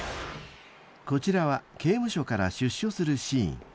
［こちらは刑務所から出所するシーン］